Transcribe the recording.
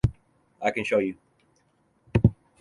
I can show you.